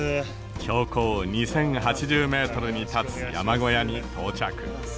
標高２，０８０ｍに立つ山小屋に到着。